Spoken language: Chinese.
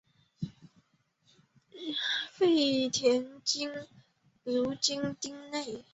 柿田川流经町内。